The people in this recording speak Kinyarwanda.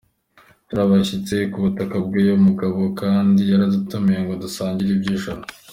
Turi abashyitsi ku butaka bw’uyu mugabo kandi yaradutumiye ngo dusangire iby’ijoro.